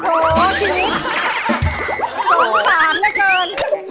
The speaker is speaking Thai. สงสารเหลือเกิน